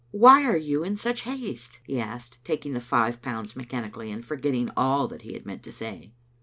"Why are you in such haste?" he asked, taking the five pounds mechanically, and forgetting all that he had meant to say.